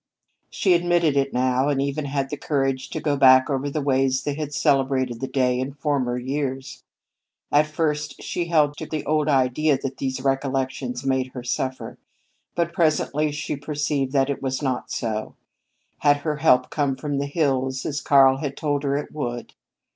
She admitted it now, and even had the courage to go back over the ways they had celebrated the day in former years; at first she held to the old idea that these recollections made her suffer, but presently she perceived that it was not so. Had her help come from the hills, as Karl had told her it would?